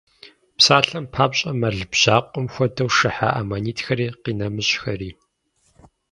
Псалъэм папщӏэ, мэл бжьакъуэм хуэдэу шыхьа аммонитхэри къинэмыщӏхэри.